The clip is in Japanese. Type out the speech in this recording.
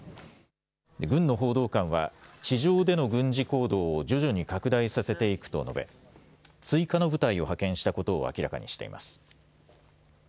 軍の報道官は、地上での軍事行動を徐々に拡大させていくと述べ、追加の部隊を派遣したことを明らかにしています。